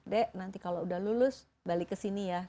dek nanti kalau udah lulus balik ke sini ya